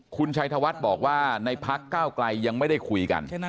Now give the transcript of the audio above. คุณชัยธวัฒน์บอกว่าในพักเก้าไกลยังไม่ได้คุยกัน